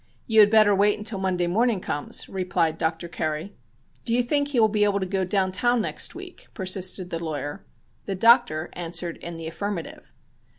"You had better wait until Monday morning comes," replied Dr. Curry. "Do you think he will be able to go down town next week?" persisted the lawyer. The doctor answered in the affirmative.